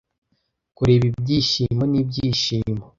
kureka ibi byishimo n'ibyishimo